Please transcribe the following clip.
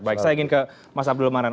baik saya ingin ke mas abdul manan